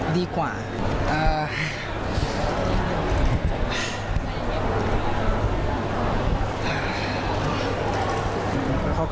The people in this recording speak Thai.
ดีกว่า